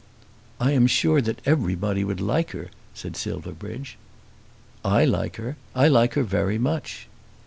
"I am sure that everybody would like her," said Silverbridge. "I like her. I like her very much."